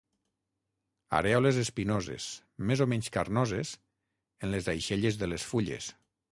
Arèoles espinoses, més o menys carnoses, en les aixelles de les fulles.